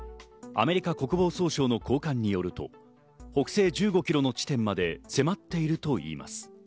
アメリカ国防総省の高官によると、北西１５キロの地点まで迫っているといいます。